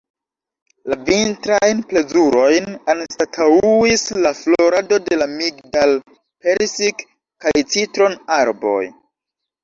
La vintrajn plezurojn anstataŭis la florado de la migdal-, persik- kaj citron-arboj.